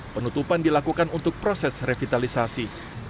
penutupan dilakukan untuk proses revitalisasi